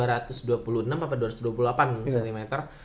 dua ratus dua puluh enam sampai dua ratus dua puluh delapan cm